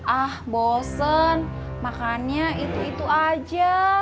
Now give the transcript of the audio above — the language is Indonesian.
ah bosen makannya itu itu aja